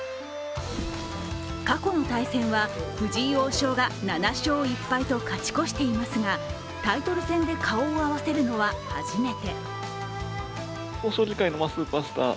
過去の対戦は、藤井王将が７勝１敗と勝ち越していますが、タイトル戦で顔を合わせるのは初めて。